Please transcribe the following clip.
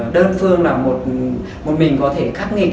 đơn phương là một mình có thể khắc nghịch